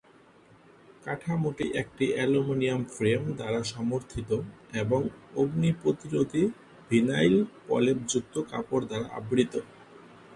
কাঠামোটি একটি aluminium frame দ্বারা সমর্থিত এবং অগ্নি প্রতিরোধী ভিনাইল প্রলেপযুক্ত কাপড় দ্বারা আবৃত।